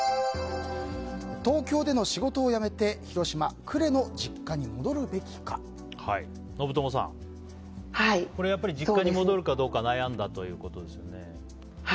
東京での仕事を辞めて広島・呉の実家に信友さん、これはやっぱり実家に戻るべきかどうか悩んだということですね。